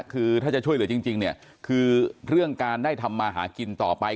คือถ้าจะช่วยเหลือจริงเนี่ยคือเรื่องการได้ทำมาหากินต่อไป